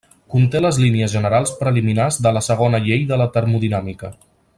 Conté les línies generals preliminars de la segona llei de la termodinàmica.